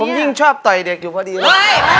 ผมยิ่งชอบไต่เด็กอยู่พอดีนะ